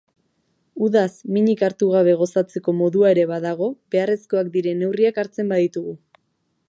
Udaz minik hartu gabe gozatzeko modua ere badago beharrezkoak diren neurriak hartzen baditugu.